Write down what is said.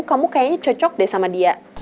kamu kayaknya cocok deh sama dia